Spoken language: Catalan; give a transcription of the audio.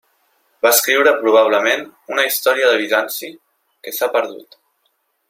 Va escriure probablement una Història de Bizanci que s'ha perdut.